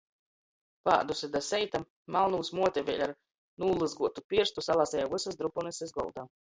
Paāduse da seita, Malnūs muote vēļ ar nūlyzguotu pierstu salaseja vysys druponys iz golda.